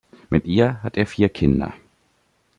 Mit ihr hat er vier Kinder.